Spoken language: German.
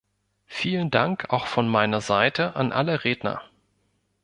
Vielen Dank auch von meiner Seite an alle Redner!